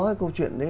cái câu chuyện đấy